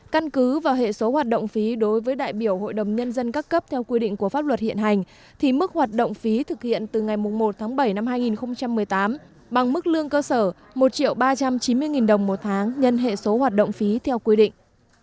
căn cứ vào hệ số hoạt động phí đối với đại biểu hội đồng nhân dân các cấp theo quy định của pháp luật hiện hành thì mức hoạt động phí thực hiện từ ngày một tháng bảy năm hai nghìn một mươi tám bằng mức lương cơ sở một ba trăm chín mươi đồng một tháng nhân hệ số hoạt động phí theo quy định